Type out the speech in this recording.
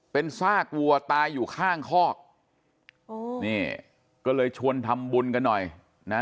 เป็นซากวัวตายอยู่ข้างคอกโอ้นี่ก็เลยชวนทำบุญกันหน่อยนะ